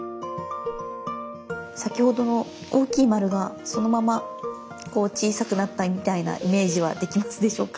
先ほどの大きい丸がそのままこう小さくなったみたいなイメージはできますでしょうか？